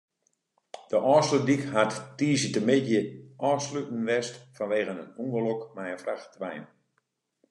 De Ofslútdyk hat tiisdeitemiddei ôfsletten west fanwegen in ûngelok mei in frachtwein.